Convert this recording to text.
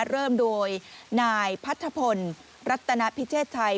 เริ่มโดยนายพัทธพลรัตนพิเชษชัย